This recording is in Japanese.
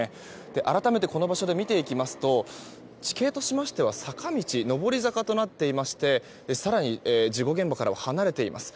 改めてこの場所で見ていきますと地形としましては坂道、上り坂となっていまして更に、事故現場からは離れています。